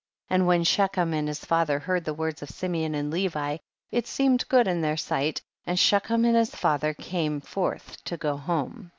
33. And when Shechem and his father heard the words of Simeon and Levi, it seemed good in their sight, aud Shechem and his father came forth to go home.